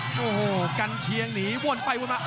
โอ้โหกันเชียงหนีวนไปวนมา